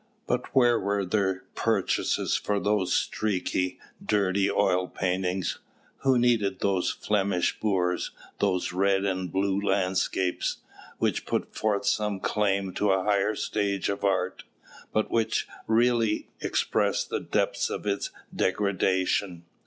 But where were there purchases for those streaky, dirty oil paintings? Who needed those Flemish boors, those red and blue landscapes, which put forth some claims to a higher stage of art, but which really expressed the depths of its degradation?